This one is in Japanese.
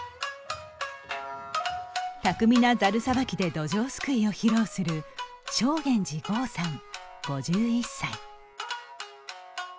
巧みな、ざるさばきでどじょうすくいを披露する正源司剛さん５１歳。